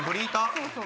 そうそう。